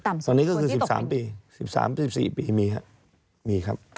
ต่ำสุดคือ๑๓ปี๑๓๑๔ปีมีครับ